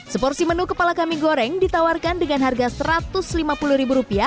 seporsi menu kepala kambing goreng ditawarkan dengan harga rp satu ratus lima puluh